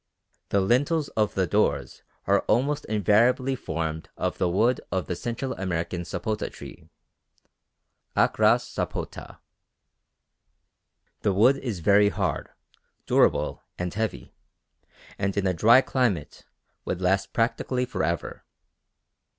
The lintels of the doors are almost invariably formed of the wood of the Central American sapota tree (Achras sapota). The wood is very hard, durable, and heavy, and in a dry climate would last practically for ever.